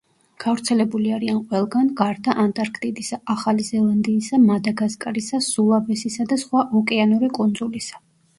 გავრცელებული არიან ყველგან გარდა ანტარქტიდისა, ახალი ზელანდიისა, მადაგასკარისა, სულავესისა და სხვა ოკეანური კუნძულისა.